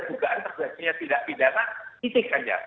jugaan tersebutnya tidak pidana titik saja